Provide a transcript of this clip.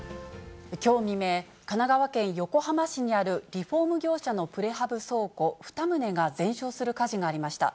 きょう未明、神奈川県横浜市にあるリフォーム業者のプレハブ倉庫２棟が全焼する火事がありました。